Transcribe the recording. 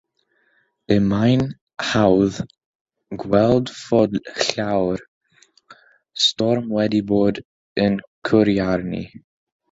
Y mae'n hawdd gweld fod llawer storm wedi bod yn curo arni.